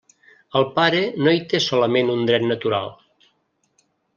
El pare no hi té solament un dret natural.